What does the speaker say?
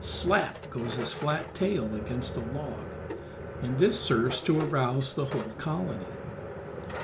"Slap" goes his flat tail against a log, and this serves to arouse the whole colony.